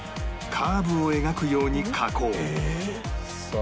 カーブを描くように加工。